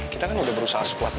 kita kan udah berusaha sekuat nada